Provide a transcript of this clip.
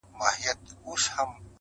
اقتصادي او نور ارزښتونه